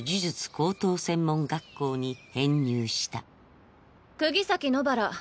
高等専門学校に編入した釘崎野薔薇。